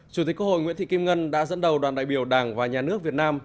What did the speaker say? chủ tịch quốc hội nguyễn thị kim ngân đã dẫn đầu đoàn đại biểu đảng và nhà nước việt nam